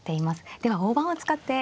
では大盤を使ってお願いいたします。